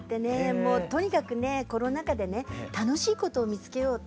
もうとにかくねコロナ禍でね楽しいことを見つけようと。